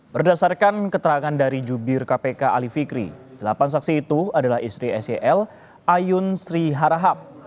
berdasarkan keterangan dari jubir kpk ali fikri delapan saksi itu adalah istri sel ayun sri harahap